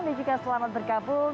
dan juga selamat bergabung